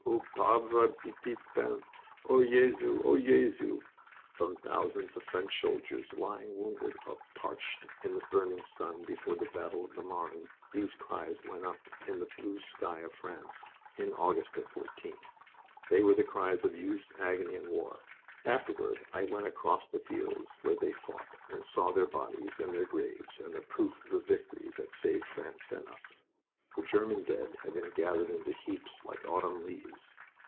O ma pauvre p'tite femme!... O Jesu! O Jesu!" From thousands of French soldiers lying wounded or parched in the burning sun before the battle of the Marne these cries went up to the blue sky of France in August of '14. They were the cries of youth's agony in war. Afterward I went across the fields where they fought and saw their bodies and their graves, and the proof of the victory that saved France and us. The German dead had been gathered into heaps like autumn leaves.